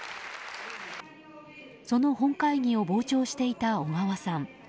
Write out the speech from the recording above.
その本会議を傍聴していた小川さん。